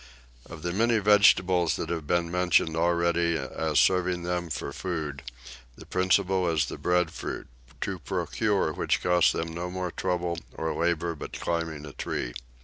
Of the many vegetables that have been mentioned already as serving them for food, the principal is the breadfruit, to procure which costs them no trouble or labour but climbing a tree.